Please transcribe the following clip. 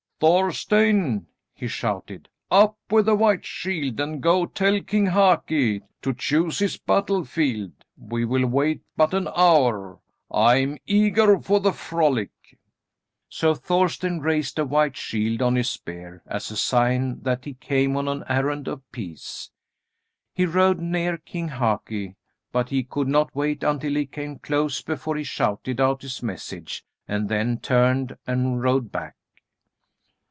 "Thorstein," he shouted, "up with the white shield and go tell King Haki to choose his battle field. We will wait but an hour. I am eager for the frolic." So Thorstein raised a white shield on his spear as a sign that he came on an errand of peace. He rode near King Haki, but he could not wait until he came close before he shouted out his message and then turned and rode back.